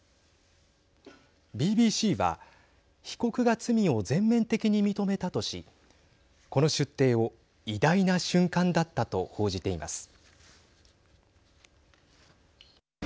ＢＢＣは被告が罪を全面的に認めたとしこの出廷を偉大な瞬間だったと報じています。